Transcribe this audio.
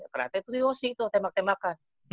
ternyata itu yosi tuh tembak tembakan